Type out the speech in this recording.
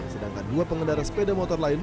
sedangkan dua pengendara sepeda motor lain